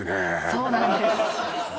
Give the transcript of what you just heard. そうなんです